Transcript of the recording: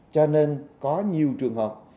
cho nên có nhiều trường hợp